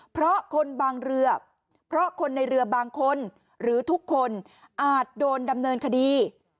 เพราะคนบางเรือเพราะคนในเรือบางคนหรือทุกคนอาจโดนดำเนินคดี